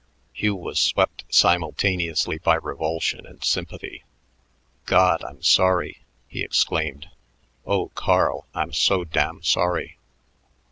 Hugh was swept simultaneously by revulsion and sympathy. "God, I'm sorry," he exclaimed. "Oh, Carl, I'm so damn sorry."